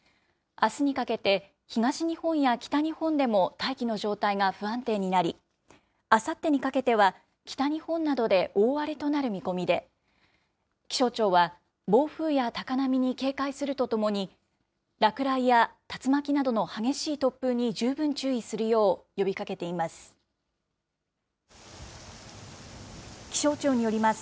あすにかけて、東日本や北日本でも大気の状態が不安定になり、あさってにかけては、北日本などで大荒れとなる見込みで、気象庁は暴風や高波に警戒するとともに、落雷や竜巻などの激しい突風に十分注意するよう呼びかけています。